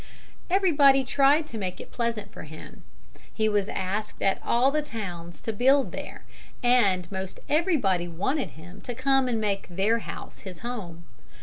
Everybody tried to make it pleasant for him. He was asked at all the towns to build there, and 'most everybody wanted him "to come and make their house his home."